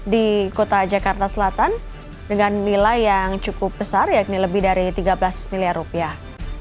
di kota jakarta selatan dengan nilai yang cukup besar yakni lebih dari tiga belas miliar rupiah